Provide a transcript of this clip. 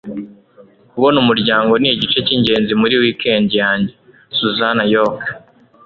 kubona umuryango ni igice cy'ingenzi muri weekend yanjye. - susannah york